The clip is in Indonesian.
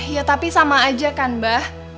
ya tapi sama aja kan mbah